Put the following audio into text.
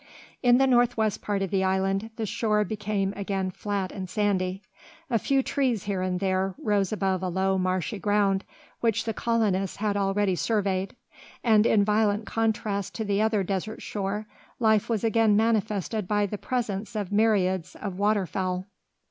In the north west part of the island the shore became again flat and sandy. A few trees here and there rose above a low, marshy ground, which the colonists had already surveyed; and in violent contrast to the other desert shore, life was again manifested by the presence of myriads of water fowl.